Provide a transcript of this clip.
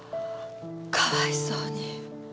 かわいそうに。